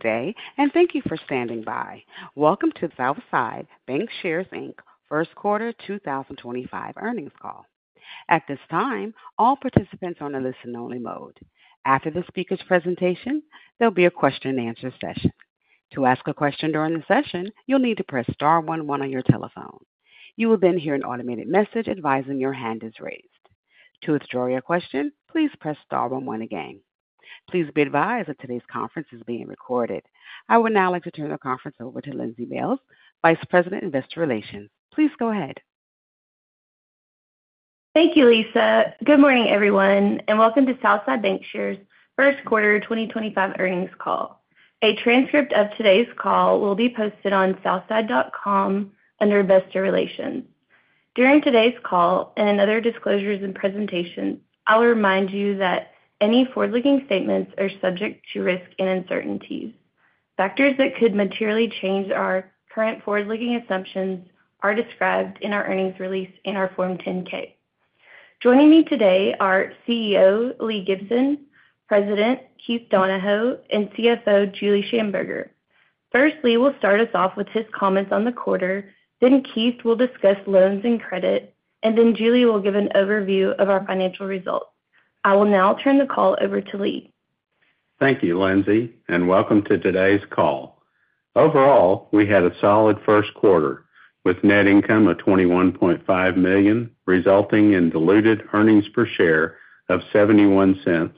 Today, and thank you for standing by. Welcome to Southside Bancshares First Quarter 2025 earnings call. At this time, all participants are on a listen-only mode. After the speaker's presentation, there'll be a question-and-answer session. To ask a question during the session, you'll need to press star one one on your telephone. You will then hear an automated message advising your hand is raised. To withdraw your question, please press star one one again. Please be advised that today's conference is being recorded. I would now like to turn the conference over to Lindsey Bailes, Vice President, Investor Relations. Please go ahead. Thank you, Lisa. Good morning, everyone, and welcome to Southside Bancshares First Quarter 2025 earnings call. A transcript of today's call will be posted on southside.com under Investor Relations. During today's call and other disclosures and presentations, I'll remind you that any forward-looking statements are subject to risk and uncertainties. Factors that could materially change our current forward-looking assumptions are described in our earnings release and our Form 10-K. Joining me today are CEO Lee Gibson, President Keith Donahoe, and CFO Julie Shamburger. First, Lee will start us off with his comments on the quarter, then Keith will discuss loans and credit, and then Julie will give an overview of our financial results. I will now turn the call over to Lee. Thank you, Lindsey, and welcome to today's call. Overall, we had a solid first quarter with net income of $21.5 million, resulting in diluted earnings per share of $0.71,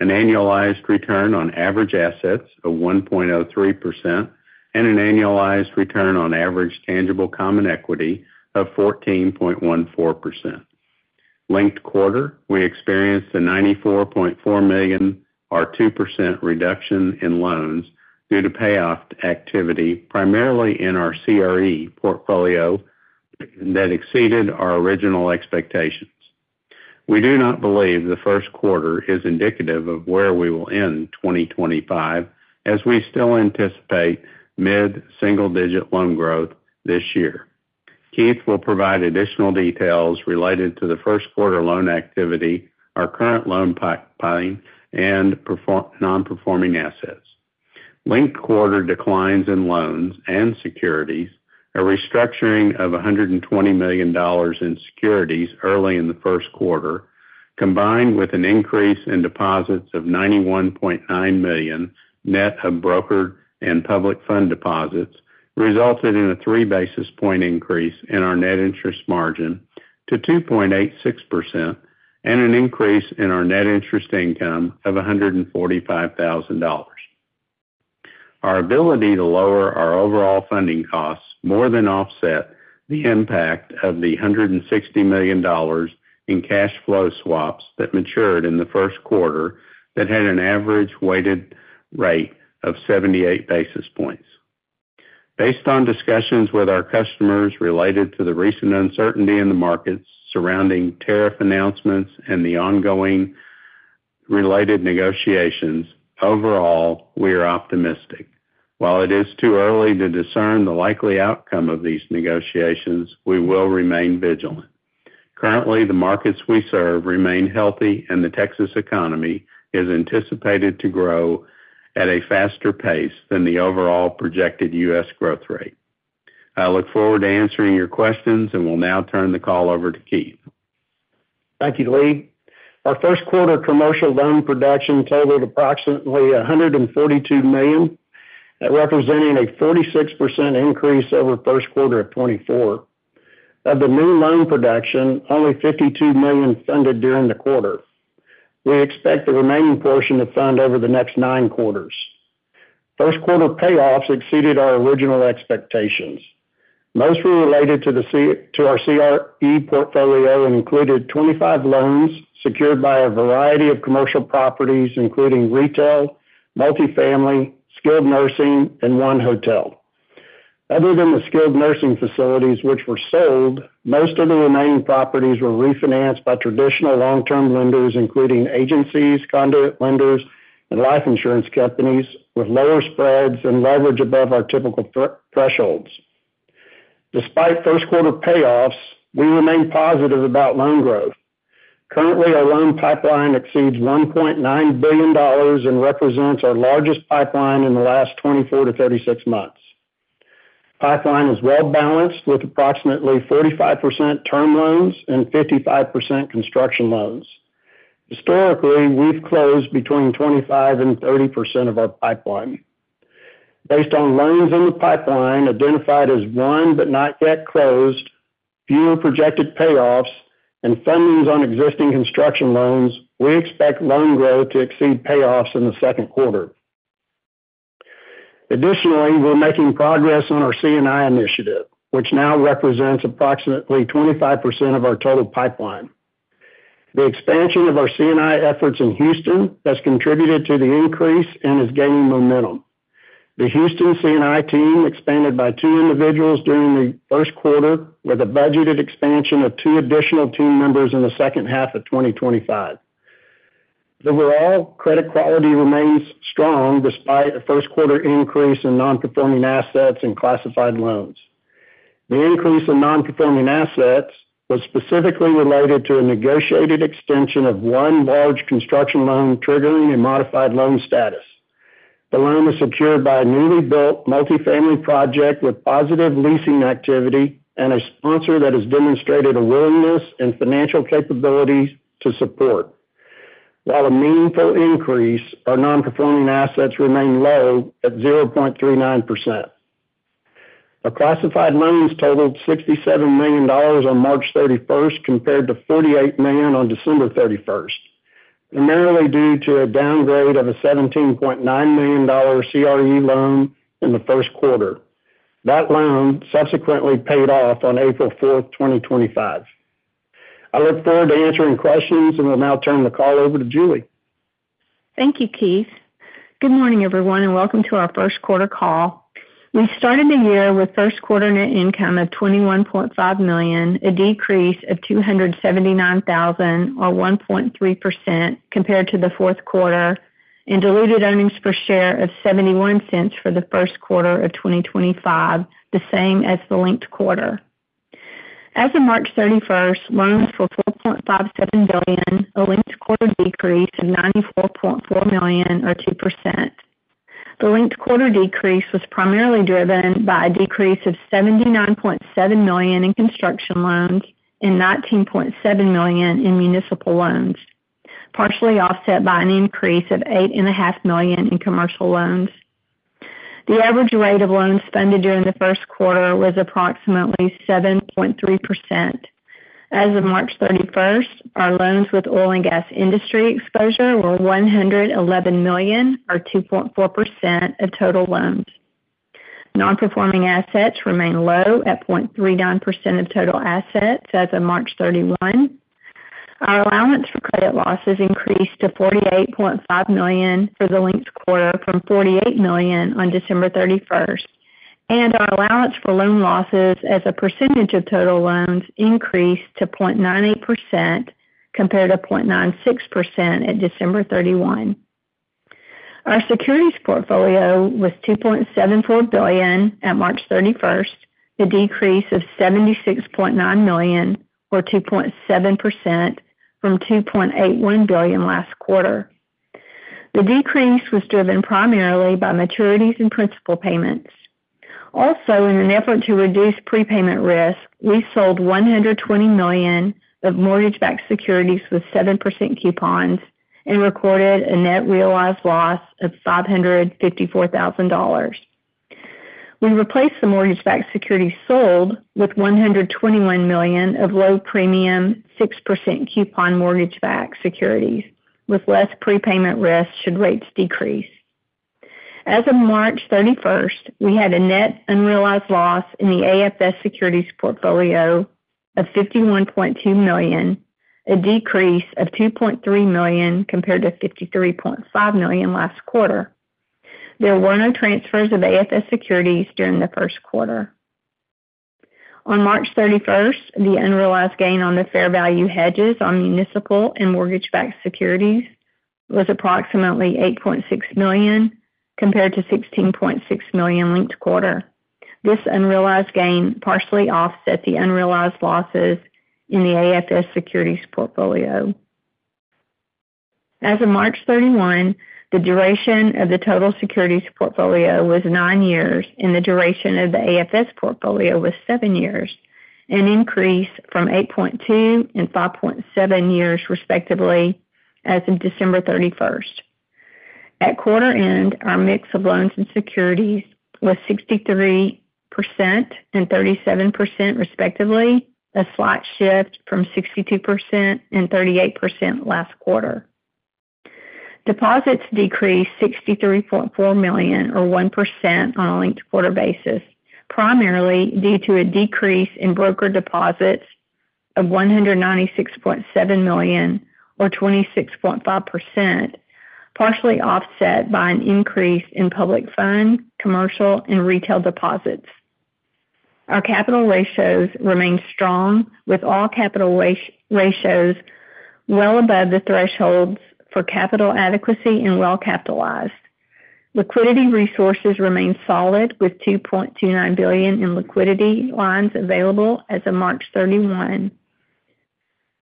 an annualized return on average assets of 1.03%, and an annualized return on average tangible common equity of 14.14%. Linked quarter, we experienced a $94.4 million, or 2%, reduction in loans due to payoff activity, primarily in our CRE portfolio, that exceeded our original expectations. We do not believe the first quarter is indicative of where we will end 2025, as we still anticipate mid-single-digit loan growth this year. Keith will provide additional details related to the first quarter loan activity, our current loan pipeline, and non-performing assets. Linked quarter declines in loans and securities, a restructuring of $120 million in securities early in the first quarter, combined with an increase in deposits of $91.9 million net of broker and public fund deposits, resulted in a three-basis point increase in our net interest margin to 2.86% and an increase in our net interest income of $145,000. Our ability to lower our overall funding costs more than offsets the impact of the $160 million in cash flow swaps that matured in the first quarter that had an average weighted rate of 78 basis points. Based on discussions with our customers related to the recent uncertainty in the markets surrounding tariff announcements and the ongoing related negotiations, overall, we are optimistic. While it is too early to discern the likely outcome of these negotiations, we will remain vigilant. Currently, the markets we serve remain healthy, and the Texas economy is anticipated to grow at a faster pace than the overall projected U.S. growth rate. I look forward to answering your questions and will now turn the call over to Keith. Thank you, Lee. Our first quarter commercial loan production totaled approximately $142 million, representing a 46% increase over first quarter of 2024. Of the new loan production, only $52 million funded during the quarter. We expect the remaining portion to fund over the next nine quarters. First quarter payoffs exceeded our original expectations. Most were related to our CRE portfolio and included 25 loans secured by a variety of commercial properties, including retail, multifamily, skilled nursing, and one hotel. Other than the skilled nursing facilities, which were sold, most of the remaining properties were refinanced by traditional long-term lenders, including agencies, conduit lenders, and life insurance companies, with lower spreads and leverage above our typical thresholds. Despite first quarter payoffs, we remain positive about loan growth. Currently, our loan pipeline exceeds $1.9 billion and represents our largest pipeline in the last 24-36 months. Pipeline is well balanced with approximately 45% term loans and 55% construction loans. Historically, we've closed between 25% and 30% of our pipeline. Based on loans in the pipeline identified as one but not yet closed, fewer projected payoffs, and fundings on existing construction loans, we expect loan growth to exceed payoffs in the second quarter. Additionally, we're making progress on our C&I initiative, which now represents approximately 25% of our total pipeline. The expansion of our C&I efforts in Houston has contributed to the increase and is gaining momentum. The Houston C&I team expanded by two individuals during the first quarter, with a budgeted expansion of two additional team members in the second half of 2025. Overall, credit quality remains strong despite a first quarter increase in non-performing assets and classified loans. The increase in non-performing assets was specifically related to a negotiated extension of one large construction loan triggering a modified loan status. The loan was secured by a newly built multifamily project with positive leasing activity and a sponsor that has demonstrated a willingness and financial capability to support. While a meaningful increase, our non-performing assets remain low at 0.39%. Our classified loans totaled $67 million on March 31st compared to $48 million on December 31st, primarily due to a downgrade of a $17.9 million CRE loan in the first quarter. That loan subsequently paid off on April 4, 2025. I look forward to answering questions and will now turn the call over to Julie. Thank you, Keith. Good morning, everyone, and welcome to our first quarter call. We started the year with first quarter net income of $21.5 million, a decrease of $279,000, or 1.3%, compared to the fourth quarter, and diluted earnings per share of $0.71 for the first quarter of 2025, the same as the linked quarter. As of March 31st, loans were $4.57 billion, a linked quarter decrease of $94.4 million, or 2%. The linked quarter decrease was primarily driven by a decrease of $79.7 million in construction loans and $19.7 million in municipal loans, partially offset by an increase of $8.5 million in commercial loans. The average rate of loans funded during the first quarter was approximately 7.3%. As of March 31st, our loans with oil and gas industry exposure were $111 million, or 2.4% of total loans. Non-performing assets remain low at 0.39% of total assets as of March 31. Our allowance for credit losses increased to $48.5 million for the linked quarter from $48 million on December 31st, and our allowance for loan losses as a percentage of total loans increased to 0.98% compared to 0.96% at December 31. Our securities portfolio was $2.74 billion at March 31st, a decrease of $76.9 million, or 2.7%, from $2.81 billion last quarter. The decrease was driven primarily by maturities and principal payments. Also, in an effort to reduce prepayment risk, we sold $120 million of mortgage-backed securities with 7% coupons and recorded a net realized loss of $554,000. We replaced the mortgage-backed securities sold with $121 million of low-premium, 6% coupon mortgage-backed securities, with less prepayment risk should rates decrease. As of March 31st, we had a net unrealized loss in the AFS securities portfolio of $51.2 million, a decrease of $2.3 million compared to $53.5 million last quarter. There were no transfers of AFS securities during the first quarter. On March 31st, the unrealized gain on the fair value hedges on municipal and mortgage-backed securities was approximately $8.6 million compared to $16.6 million linked quarter. This unrealized gain partially offsets the unrealized losses in the AFS securities portfolio. As of March 31, the duration of the total securities portfolio was nine years, and the duration of the AFS portfolio was seven years, an increase from 8.2 and 5.7 years, respectively, as of December 31st. At quarter end, our mix of loans and securities was 63% and 37%, respectively, a slight shift from 62% and 38% last quarter. Deposits decreased $63.4 million, or 1%, on a linked quarter basis, primarily due to a decrease in brokered deposits of $196.7 million, or 26.5%, partially offset by an increase in public fund, commercial, and retail deposits. Our capital ratios remained strong, with all capital ratios well above the thresholds for capital adequacy and well capitalized. Liquidity resources remained solid, with $2.29 billion in liquidity lines available as of March 31.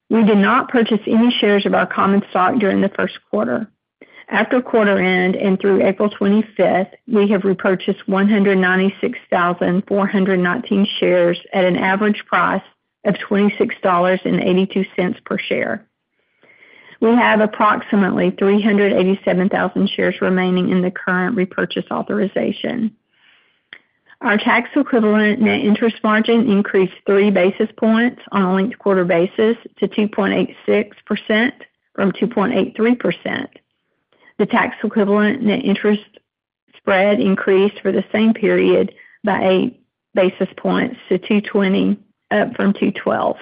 We did not purchase any shares of our common stock during the first quarter. After quarter end and through April 25, we have repurchased 196,419 shares at an average price of $26.82 per share. We have approximately 387,000 shares remaining in the current repurchase authorization. Our tax-equivalent net interest margin increased three basis points on a linked quarter basis to 2.86% from 2.83%. The tax-equivalent net interest spread increased for the same period by eight basis points to 2.12.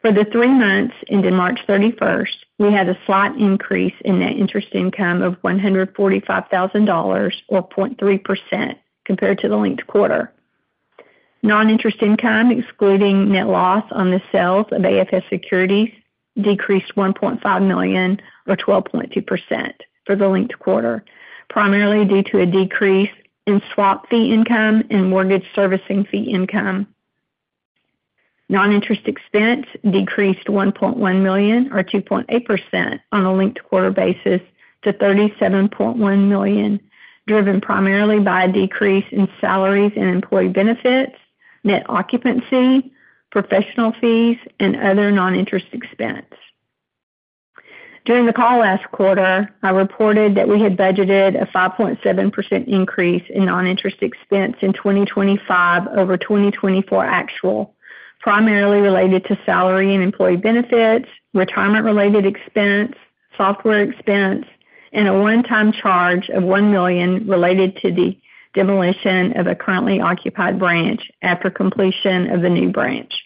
For the three months ending March 31st, we had a slight increase in net interest income of $145,000, or 0.3%, compared to the linked quarter. Non-interest income, excluding net loss on the sales of AFS securities, decreased $1.5 million, or 12.2%, for the linked quarter, primarily due to a decrease in swap fee income and mortgage servicing fee income. Non-interest expense decreased $1.1 million, or 2.8%, on a linked quarter basis to $37.1 million, driven primarily by a decrease in salaries and employee benefits, net occupancy, professional fees, and other non-interest expense. During the call last quarter, I reported that we had budgeted a 5.7% increase in non-interest expense in 2025 over 2024 actual, primarily related to salary and employee benefits, retirement-related expense, software expense, and a one-time charge of $1 million related to the demolition of a currently occupied branch after completion of the new branch.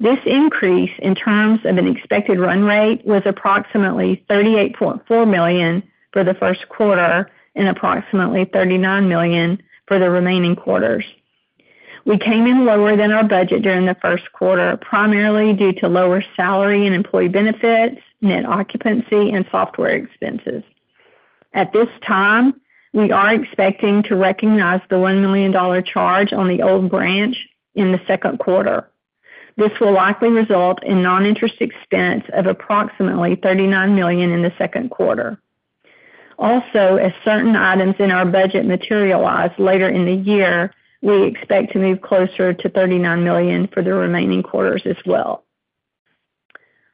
This increase in terms of an expected run rate was approximately $38.4 million for the first quarter and approximately $39 million for the remaining quarters. We came in lower than our budget during the first quarter, primarily due to lower salary and employee benefits, net occupancy, and software expenses. At this time, we are expecting to recognize the $1 million charge on the old branch in the second quarter. This will likely result in non-interest expense of approximately $39 million in the second quarter. Also, as certain items in our budget materialize later in the year, we expect to move closer to $39 million for the remaining quarters as well.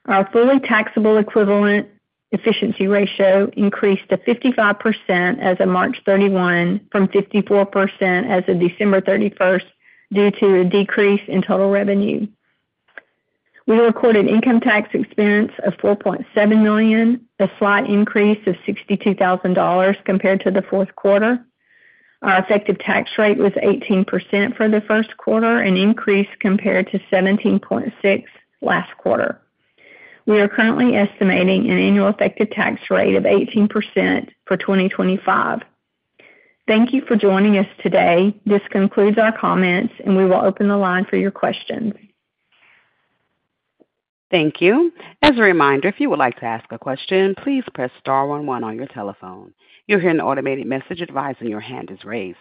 Our fully taxable equivalent efficiency ratio increased to 55% as of March 31 from 54% as of December 31st due to a decrease in total revenue. We recorded income tax expense of $4.7 million, a slight increase of $62,000 compared to the fourth quarter. Our effective tax rate was 18% for the first quarter, an increase compared to 17.6% last quarter. We are currently estimating an annual effective tax rate of 18% for 2025. Thank you for joining us today. This concludes our comments, and we will open the line for your questions. Thank you. As a reminder, if you would like to ask a question, please press star one one on your telephone. You'll hear an automated message advising your hand is raised.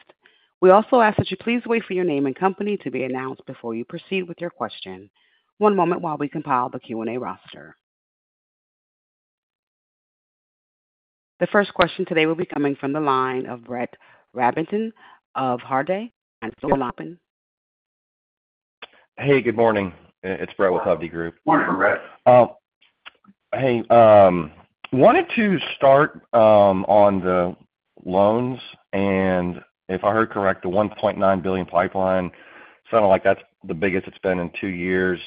We also ask that you please wait for your name and company to be announced before you proceed with your question. One moment while we compile the Q&A roster. The first question today will be coming from the line of Brett Rabatin of Hovde. Your line is open. Hey, good morning. It's Brett Rabatin with Hovde. Good morning, Brett. Hey, wanted to start on the loans and, if I heard correct, the $1.9 billion pipeline. Sounded like that's the biggest it's been in two years.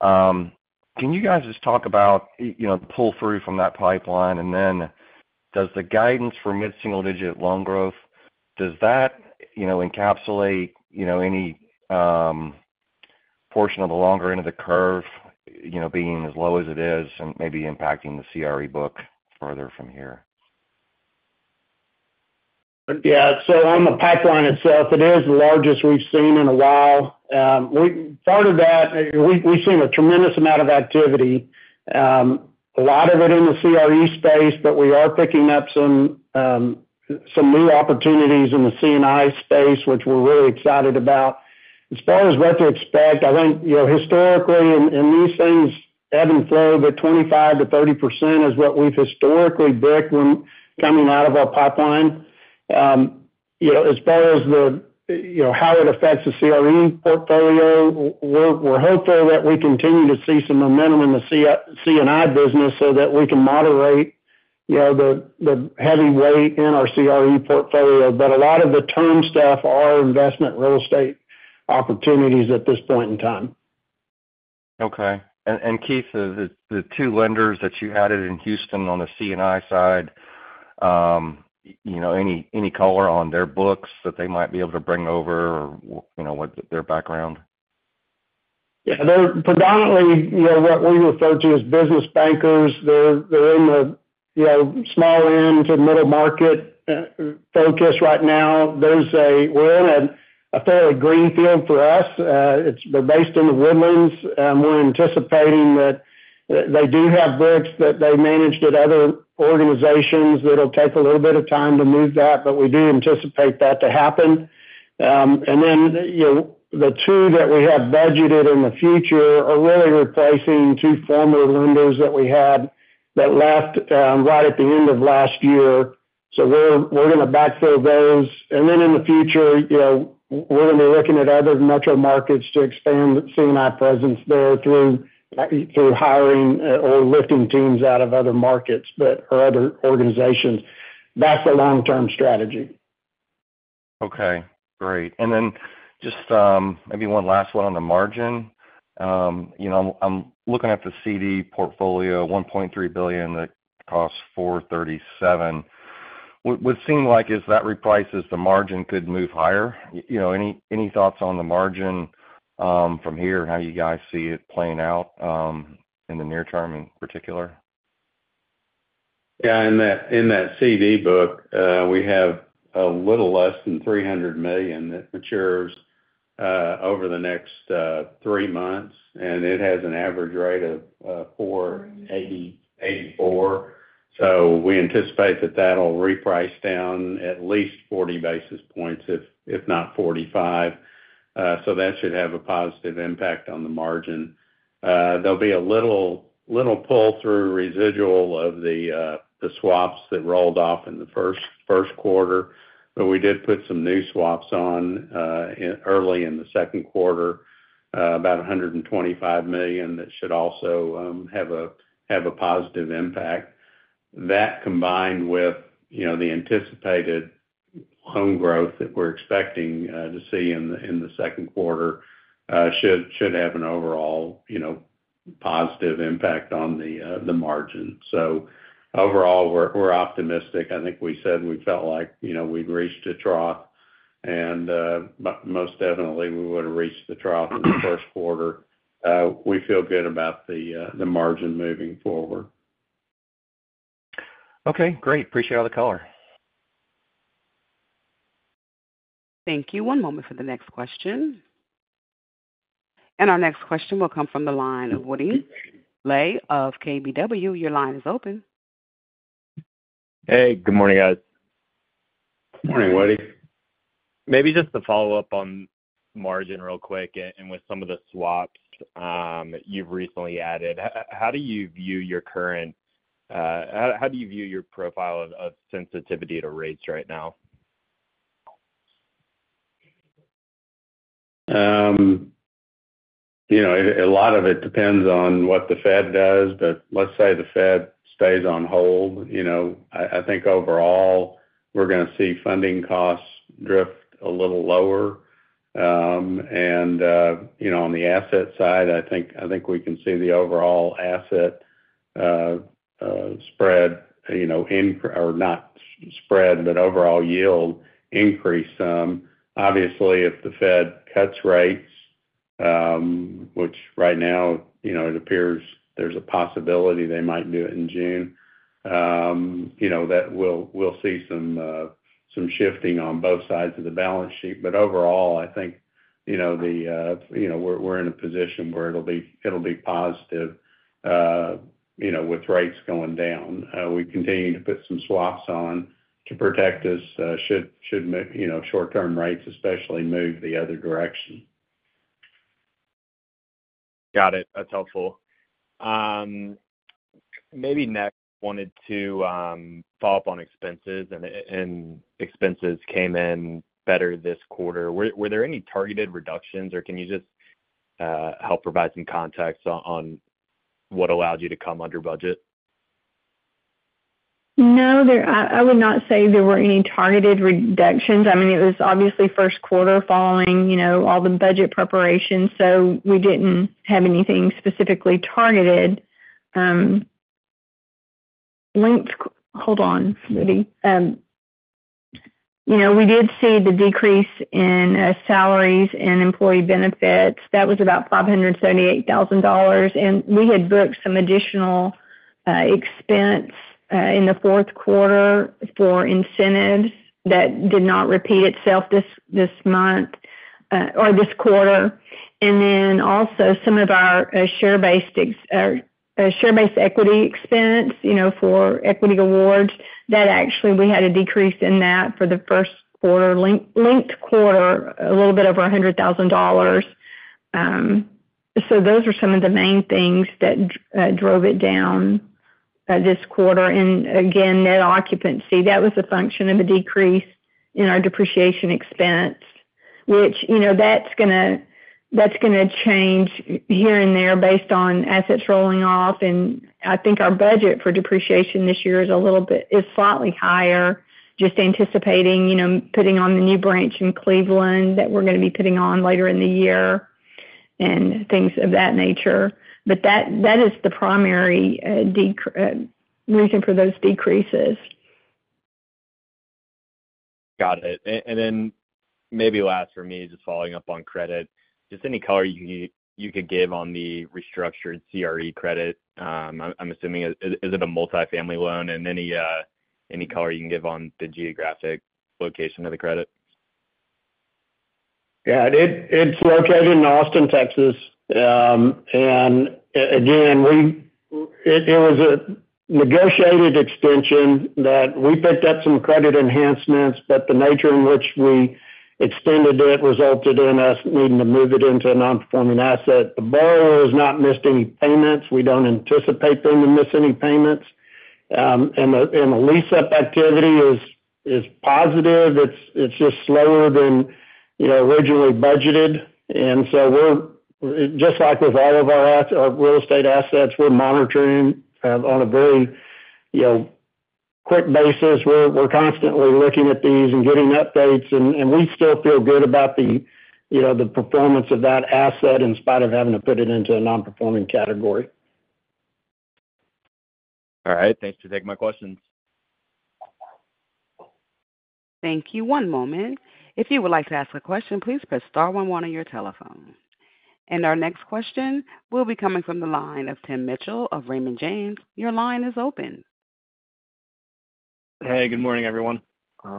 Can you guys just talk about, pull through from that pipeline, and then does the guidance for mid-single digit loan growth, does that encapsulate any portion of the longer end of the curve being as low as it is and maybe impacting the CRE book further from here? Yeah. On the pipeline itself, it is the largest we've seen in a while. Part of that, we've seen a tremendous amount of activity, a lot of it in the CRE space, but we are picking up some new opportunities in the C&I space, which we're really excited about. As far as what to expect, I think historically in these things, ebb and flow, that 25%-30% is what we've historically booked when coming out of our pipeline. As far as how it affects the CRE portfolio, we're hopeful that we continue to see some momentum in the C&I business so that we can moderate the heavy weight in our CRE portfolio, but a lot of the term stuff are investment real estate opportunities at this point in time. Okay. Keith, the two lenders that you added in Houston on the C&I side, any color on their books that they might be able to bring over or their background? Yeah. They're predominantly what we refer to as business bankers. They're in the small end to middle market focus right now. We're in a fairly greenfield for us. They're based in The Woodlands. We're anticipating that they do have books that they managed at other organizations. It'll take a little bit of time to move that, but we do anticipate that to happen. The two that we have budgeted in the future are really replacing two former lenders that we had that left right at the end of last year. We're going to backfill those. In the future, we're going to be looking at other metro markets to expand C&I presence there through hiring or lifting teams out of other markets or other organizations. That's the long-term strategy. Okay. Great. Maybe one last one on the margin. I'm looking at the CD portfolio, $1.3 billion, that costs $437. What it seems like is that reprices, the margin could move higher. Any thoughts on the margin from here and how you guys see it playing out in the near term in particular? Yeah. In that CD book, we have a little less than $300 million that matures over the next three months, and it has an average rate of 4.84%. We anticipate that that'll reprice down at least 40 basis points, if not 45. That should have a positive impact on the margin. There'll be a little pull-through residual of the swaps that rolled off in the first quarter, but we did put some new swaps on early in the second quarter, about $125 million that should also have a positive impact. That combined with the anticipated loan growth that we're expecting to see in the second quarter should have an overall positive impact on the margin. Overall, we're optimistic. I think we said we felt like we'd reached a trough, and most definitely we would have reached the trough in the first quarter. We feel good about the margin moving forward. Okay. Great. Appreciate all the color. Thank you. One moment for the next question. Our next question will come from the line of Woody Lay of KBW. Your line is open. Hey. Good morning, guys. Morning, Woody. Maybe just to follow up on margin real quick and with some of the swaps you've recently added, how do you view your current, how do you view your profile of sensitivity to rates right now? A lot of it depends on what the Fed does, but let's say the Fed stays on hold. I think overall, we're going to see funding costs drift a little lower. On the asset side, I think we can see the overall asset spread or not spread, but overall yield increase some. Obviously, if the Fed cuts rates, which right now it appears there's a possibility they might do it in June, we will see some shifting on both sides of the balance sheet. Overall, I think we're in a position where it'll be positive with rates going down. We continue to put some swaps on to protect us should short-term rates especially move the other direction. Got it. That's helpful. Maybe next, wanted to follow up on expenses. Expenses came in better this quarter. Were there any targeted reductions, or can you just help provide some context on what allowed you to come under budget? No, I would not say there were any targeted reductions. I mean, it was obviously first quarter following all the budget preparation, so we didn't have anything specifically targeted. Hold on, Woody. We did see the decrease in salaries and employee benefits. That was about $578,000. And we had booked some additional expense in the fourth quarter for incentives that did not repeat itself this month or this quarter. Also, some of our share-based equity expense for equity awards, that actually we had a decrease in that for the first quarter, linked quarter, a little bit over $100,000. Those were some of the main things that drove it down this quarter. Again, net occupancy, that was a function of a decrease in our depreciation expense, which that's going to change here and there based on assets rolling off. I think our budget for depreciation this year is a little bit, is slightly higher, just anticipating putting on the new branch in Cleveland that we are going to be putting on later in the year and things of that nature. That is the primary reason for those decreases. Got it. Maybe last for me, just following up on credit, just any color you can give on the restructured CRE credit. I'm assuming, is it a multifamily loan? Any color you can give on the geographic location of the credit? Yeah. It's located in Austin, Texas. It was a negotiated extension that we picked up some credit enhancements, but the nature in which we extended it resulted in us needing to move it into a non-performing asset. The borrower has not missed any payments. We don't anticipate them to miss any payments. The lease-up activity is positive. It's just slower than originally budgeted. Just like with all of our real estate assets, we're monitoring on a very quick basis. We're constantly looking at these and getting updates. We still feel good about the performance of that asset in spite of having to put it into a non-performing category. All right. Thanks for taking my questions. Thank you. One moment. If you would like to ask a question, please press star one one on your telephone. Our next question will be coming from the line of Tim Mitchell of Raymond James. Your line is open. Hey, good morning, everyone.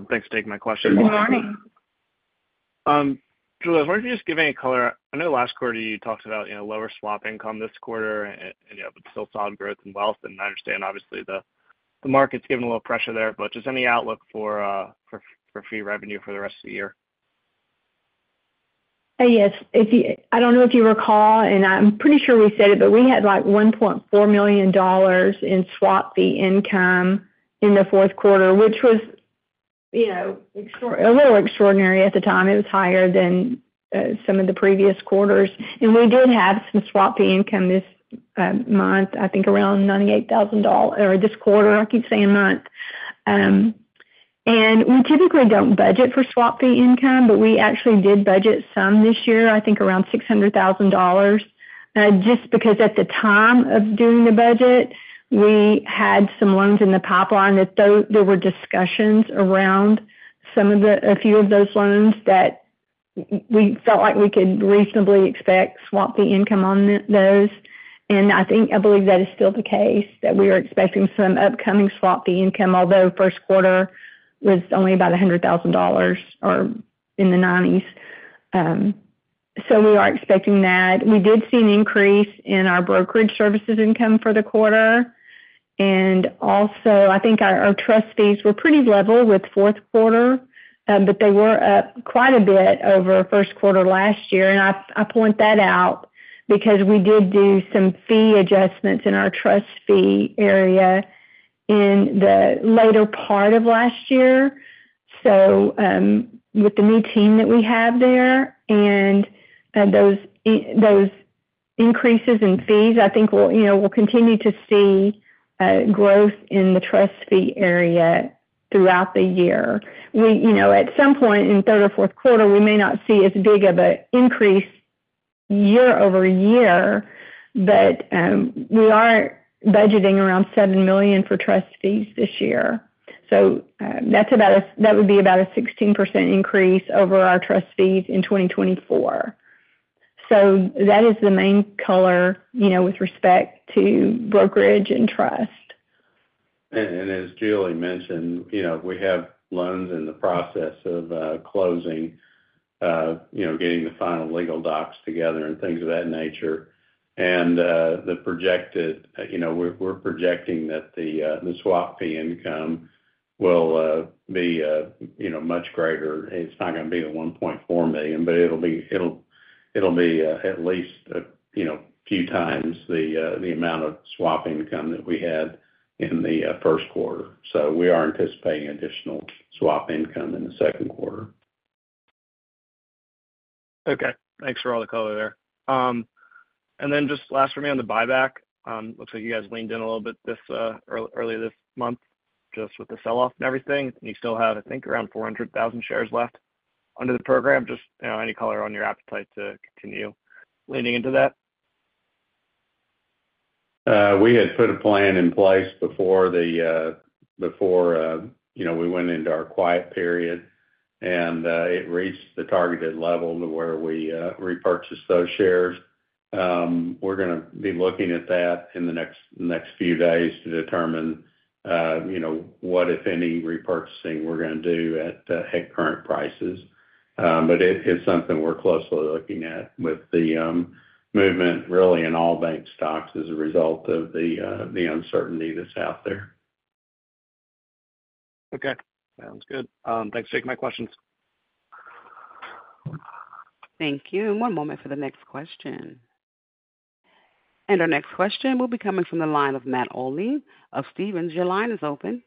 Thanks for taking my question. Good morning. Julie, why don't you just give me a color? I know last quarter you talked about lower swap income this quarter, but still solid growth in wealth. And I understand, obviously, the market's given a little pressure there, but just any outlook for fee revenue for the rest of the year? Yes. I don't know if you recall, and I'm pretty sure we said it, but we had like $1.4 million in swap fee income in the fourth quarter, which was a little extraordinary at the time. It was higher than some of the previous quarters. We did have some swap fee income this month, I think around $98,000, or this quarter, I keep saying month. We typically don't budget for swap fee income, but we actually did budget some this year, I think around $600,000, just because at the time of doing the budget, we had some loans in the pipeline that there were discussions around, some of those loans that we felt like we could reasonably expect swap fee income on those. I believe that is still the case, that we are expecting some upcoming swap fee income, although first quarter was only about $100,000 or in the 90s. We are expecting that. We did see an increase in our brokerage services income for the quarter. I think our trust fees were pretty level with fourth quarter, but they were up quite a bit over first quarter last year. I point that out because we did do some fee adjustments in our trust fee area in the later part of last year. With the new team that we have there and those increases in fees, I think we'll continue to see growth in the trust fee area throughout the year. At some point in third or fourth quarter, we may not see as big of an increase year over year, but we are budgeting around $7 million for trust fees this year. That would be about a 16% increase over our trust fees in 2024. That is the main color with respect to brokerage and trust. As Julie mentioned, we have loans in the process of closing, getting the final legal docs together and things of that nature. The projected, we're projecting that the swap fee income will be much greater. It's not going to be the $1.4 million, but it'll be at least a few times the amount of swap income that we had in the first quarter. We are anticipating additional swap income in the second quarter. Okay. Thanks for all the color there. Just last for me on the buyback, looks like you guys leaned in a little bit earlier this month just with the sell-off and everything. You still have, I think, around 400,000 shares left under the program. Just any color on your appetite to continue leaning into that? We had put a plan in place before we went into our quiet period, and it reached the targeted level to where we repurchased those shares. We are going to be looking at that in the next few days to determine what, if any, repurchasing we are going to do at current prices. It is something we are closely looking at with the movement really in all bank stocks as a result of the uncertainty that is out there. Okay. Sounds good. Thanks for taking my questions. Thank you. One moment for the next question. Our next question will be coming from the line of Matt Olney of Stephens. Your line is open.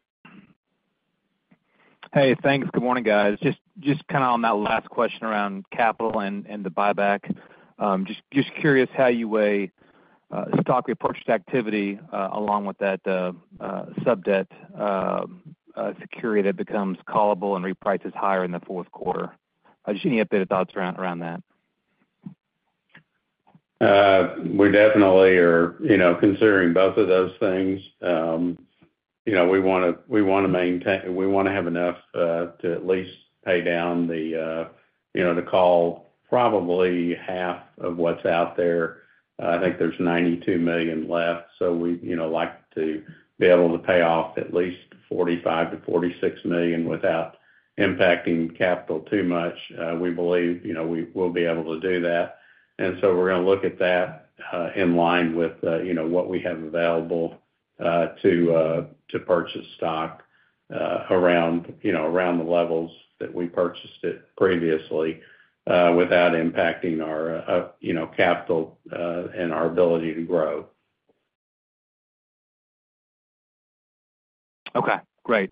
Hey, thanks. Good morning, guys. Just kind of on that last question around capital and the buyback, just curious how you weigh stock repurchase activity along with that sub-debt security that becomes callable and reprices higher in the fourth quarter. Just any updated thoughts around that? We definitely are considering both of those things. We want to maintain, we want to have enough to at least pay down the, to call probably half of what's out there. I think there's $92 million left. We would like to be able to pay off at least $45-$46 million without impacting capital too much. We believe we'll be able to do that. We are going to look at that in line with what we have available to purchase stock around the levels that we purchased it previously without impacting our capital and our ability to grow. Okay. Great.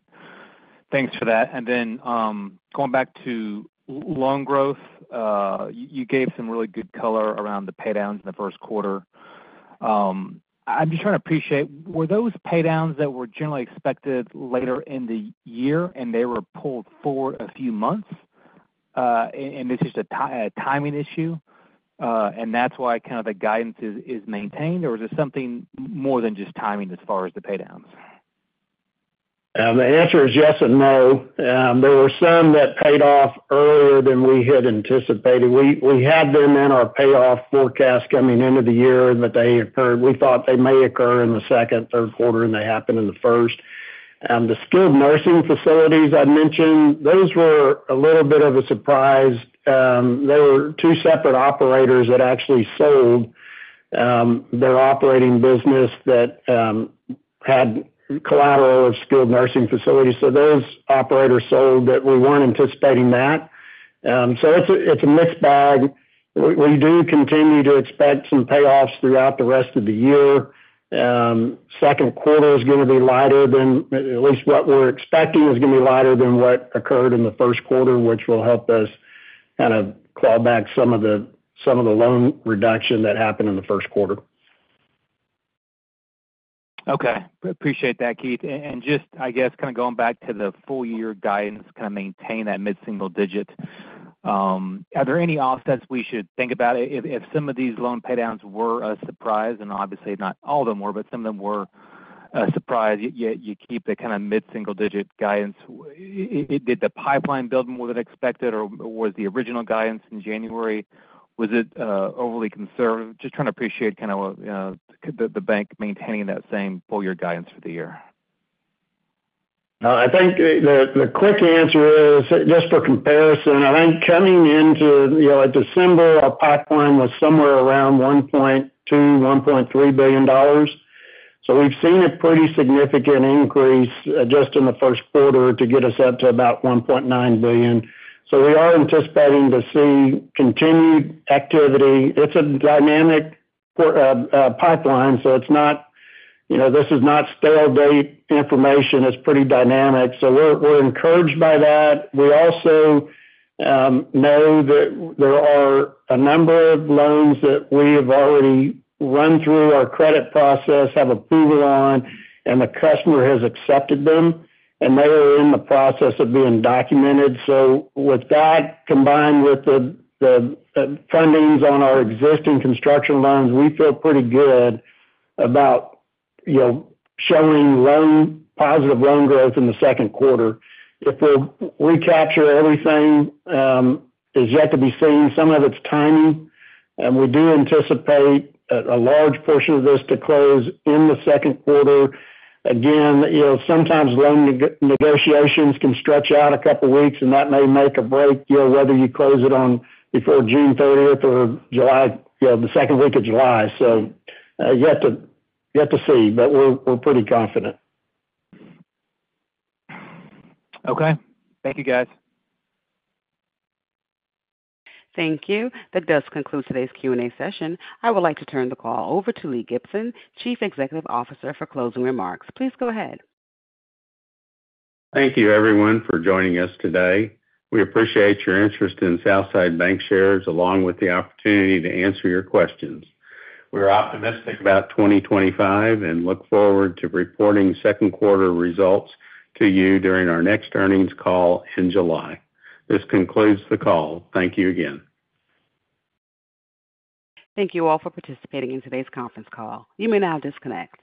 Thanks for that. Going back to loan growth, you gave some really good color around the paydowns in the first quarter. I'm just trying to appreciate, were those paydowns that were generally expected later in the year and they were pulled forward a few months? This is just a timing issue. That's why kind of the guidance is maintained, or is it something more than just timing as far as the paydowns? The answer is yes and no. There were some that paid off earlier than we had anticipated. We had them in our payoff forecast coming into the year that they occurred. We thought they may occur in the second, third quarter, and they happened in the first. The skilled nursing facilities I mentioned, those were a little bit of a surprise. There were two separate operators that actually sold their operating business that had collateral of skilled nursing facilities. So those operators sold that we were not anticipating that. It is a mixed bag. We do continue to expect some payoffs throughout the rest of the year. Second quarter is going to be lighter than at least what we are expecting is going to be lighter than what occurred in the first quarter, which will help us kind of claw back some of the loan reduction that happened in the first quarter. Okay. Appreciate that, Keith. Just, I guess, kind of going back to the full-year guidance, kind of maintain that mid-single digit. Are there any offsets we should think about? If some of these loan paydowns were a surprise, and obviously not all of them were, but some of them were a surprise, you keep the kind of mid-single digit guidance. Did the pipeline build more than expected, or was the original guidance in January, was it overly conservative? Just trying to appreciate kind of the bank maintaining that same full-year guidance for the year. I think the quick answer is, just for comparison, I think coming into December, our pipeline was somewhere around $1.2-$1.3 billion. We have seen a pretty significant increase just in the first quarter to get us up to about $1.9 billion. We are anticipating to see continued activity. It's a dynamic pipeline, so this is not stale date information. It's pretty dynamic. We are encouraged by that. We also know that there are a number of loans that we have already run through our credit process, have approval on, and the customer has accepted them. They are in the process of being documented. With that combined with the fundings on our existing construction loans, we feel pretty good about showing positive loan growth in the second quarter. If we will recapture everything, it's yet to be seen. Some of it's timing. We do anticipate a large portion of this to close in the second quarter. Again, sometimes loan negotiations can stretch out a couple of weeks, and that may make or break whether you close it on before June 30th or the second week of July. You have to see, but we're pretty confident. Okay. Thank you, guys. Thank you. That does conclude today's Q&A session. I would like to turn the call over to Lee Gibson, Chief Executive Officer, for closing remarks. Please go ahead. Thank you, everyone, for joining us today. We appreciate your interest in Southside Bancshares along with the opportunity to answer your questions. We're optimistic about 2025 and look forward to reporting second quarter results to you during our next earnings call in July. This concludes the call. Thank you again. Thank you all for participating in today's conference call. You may now disconnect.